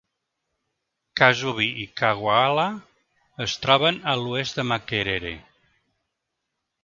Kasubi i Kawaala es troben a l'oest de Makerere.